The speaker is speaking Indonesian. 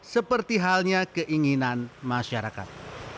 seperti halnya keinginan masyarakat